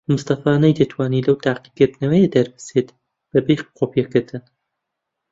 مستەفا نەیدەتوانی لەو تاقیکردنەوەیە دەربچێت بەبێ قۆپیەکردن.